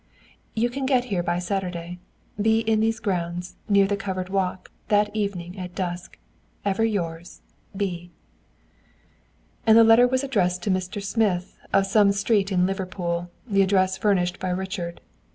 You can get here by Saturday. Be in these grounds, near the covered walk, that evening at dusk. Ever yours, "B." And the letter was addressed to Mr. Smith, of some street in Liverpool, the address furnished by Richard.